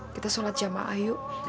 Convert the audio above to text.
kita sholat jamaah yuk